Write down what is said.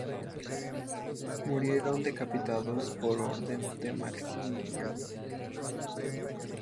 Murieron decapitados por orden de Maximiano.